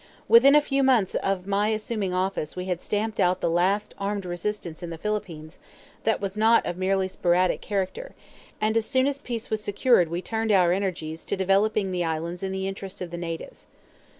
Within a few months of my assuming office we had stamped out the last armed resistance in the Philippines that was not of merely sporadic character; and as soon as peace was secured we turned our energies to developing the islands in the interests of the natives.